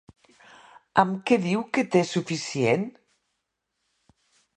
Amb què diu que té suficient?